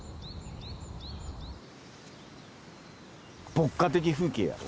牧歌的風景やろ。